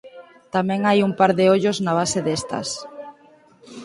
Tamén hai un par de ollos na base destas.